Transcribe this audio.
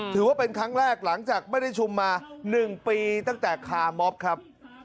ถือว่าเป็นครั้งแรกหลังจากไม่ได้ชุมมา๑ปีตั้งแต่คามอบครับ